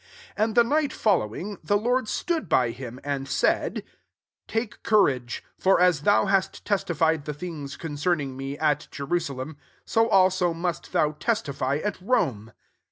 11 And the night following, he Lord stood by him, and »ud, ^' Take courage, for as hou hast testified the things ^oocerning me, at Jerusalem, io also must thou testify at tome."